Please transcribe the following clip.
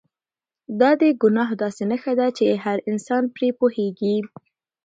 دا د ګناه داسې نښه ده چې هر انسان پرې پوهېږي.